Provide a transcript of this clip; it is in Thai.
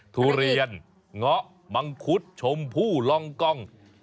ทุเรียนเงาะมังคุดชมพู่ล่องกล้อง